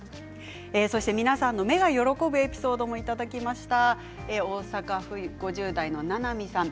皆さんの目が喜ぶエピソードいただきました。